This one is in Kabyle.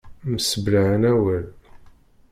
Mseblaɛen awal.